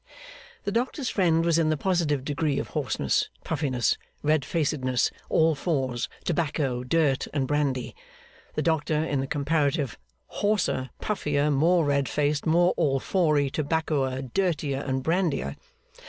The doctor's friend was in the positive degree of hoarseness, puffiness, red facedness, all fours, tobacco, dirt, and brandy; the doctor in the comparative hoarser, puffier, more red faced, more all fourey, tobaccoer, dirtier, and brandier.